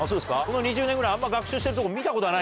この２０年ぐらいあんま学習してるとこ。